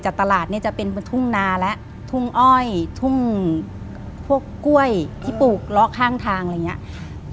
จะเป็นทุ่งนาและทุ่งอ้อยทุ่งพวกกล้วยที่ปลูกเลาะข้างทางหลายอย่างเลย